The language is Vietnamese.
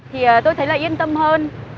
thì tôi thấy là yên tâm hơn